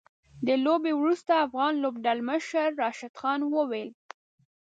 له لوبې وروسته افغان لوبډلمشر راشد خان وويل